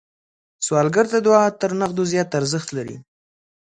سوالګر ته دعا تر نغدو زیات ارزښت لري